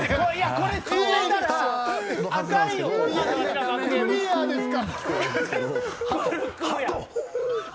これ、クリアですか。